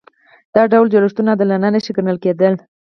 دا ډول جوړښتونه عادلانه نشي ګڼل کېدای.